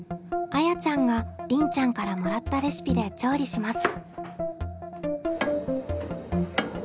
あやちゃんがりんちゃんからもらったレシピで調理します。